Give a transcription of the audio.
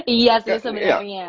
iya sih sebenarnya